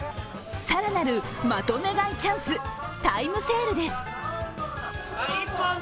更なるまとめ買いチャンス、タイムセールです。